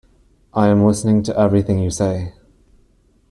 I am listening to everything you say.